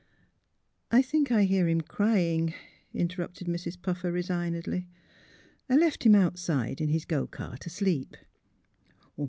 '' I think I hear him crying," interrupted Mrs. Puffer, resignedly; " I left him outside in his go cart asleep."